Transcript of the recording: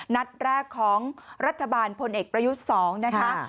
นัดแรกของรัฐบาลพลเอกประยุทธ์๒นะคะ